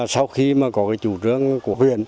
sau khi có chủ trương của huyện